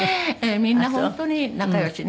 みんな本当に仲良しね。